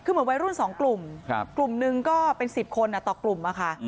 คือเหมือนวัยรุ่น๒กลุ่มกลุ่มหนึ่งก็เป็น๑๐คนต่อกลุ่มอะค่ะ